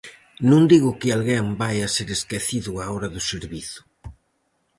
Non digo que alguén vaia ser esquecido á hora do servizo.